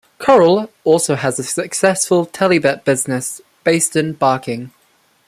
Coral also has a successful Telebet business, based in Barking.